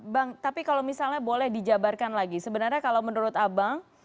bang tapi kalau misalnya boleh dijabarkan lagi sebenarnya kalau menurut abang